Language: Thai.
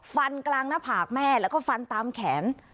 กลางหน้าผากแม่แล้วก็ฟันตามแขน